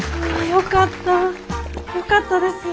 よかったです。